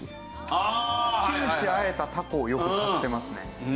キムチあえたタコをよく買ってますね。